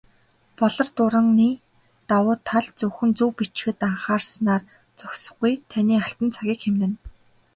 "Болор дуран"-ийн давуу тал зөвхөн зөв бичихэд анхаарснаар зогсохгүй, таны алтан цагийг хэмнэнэ.